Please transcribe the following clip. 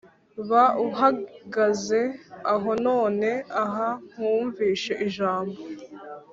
Ba uhagaze aho none aha nkumvishe ijambo